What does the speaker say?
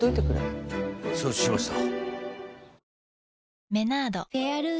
承知しました。